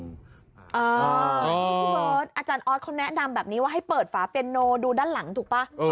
พี่เบิร์ตอาจารย์ออสเขาแนะนำแบบนี้ว่าให้เปิดฝาเปียโนดูด้านหลังถูกป่ะ